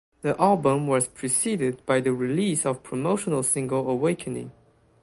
The album was preceded by the release of promotional single "Awakening".